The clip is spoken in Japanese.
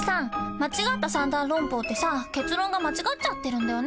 間違った三段論法ってさ結論が間違っちゃってるんだよね。